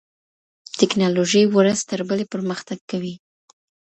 ټیکنالوژي ورځ تر بلې پرمختګ کوي.